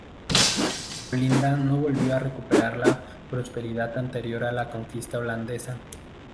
Olinda no volvió a recuperar la prosperidad anterior a la conquista holandesa.